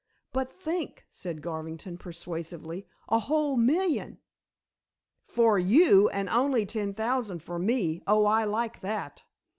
"But think," said Garvington, persuasively, "a whole million." "For you, and only ten thousand for me. Oh, I like that."